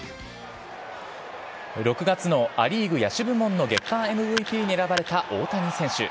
６月のア・リーグ野手部門の月間ＭＶＰに選ばれた大谷選手。